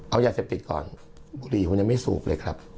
เอายาเสพติดก่อนคดีคุณยังไม่สูบเลยครับ